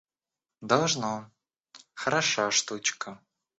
Должно, хороша штучка!